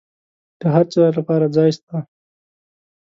د هرچا لپاره ځای سته.